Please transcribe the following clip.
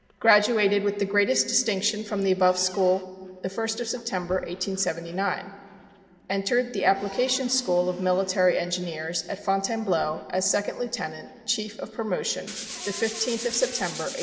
Graduated with the greatest distinction from the above school the 1st of September, 1879. Entered at the Application School of Military Engineers at Fontainebleau as Second Lieutenant, Chief of Promotion the 15th of September, 1879.